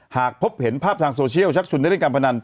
หากพบเห็นภาพทางโซเชียลชักชุนเล่นการพนัน